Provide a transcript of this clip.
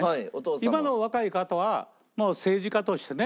今の若い方は政治家としてね